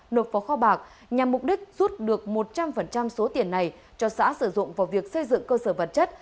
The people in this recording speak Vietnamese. nộp vào kho bạc nhằm mục đích rút được một trăm linh số tiền này cho xã sử dụng vào việc xây dựng cơ sở vật chất